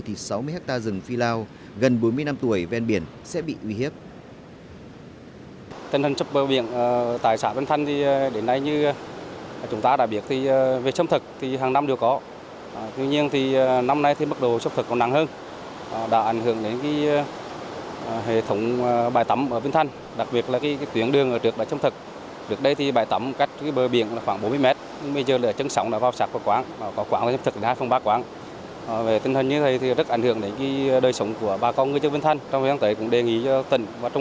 thì sáu mươi hectare rừng phi lao gần bốn mươi năm tuổi ven biển sẽ bị uy hiếp